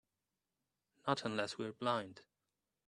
Not unless we're blind.